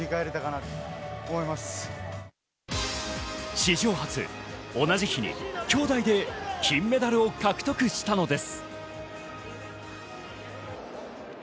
史上初、同じ日に兄妹で金メダルを獲得したのです。